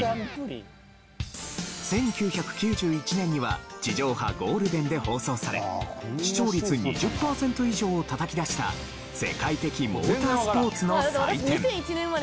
１９９１年には地上波ゴールデンで放送され視聴率２０パーセント以上をたたき出した世界的モータースポーツの祭典。